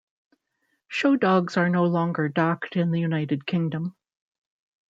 Show dogs are no longer docked in the United Kingdom.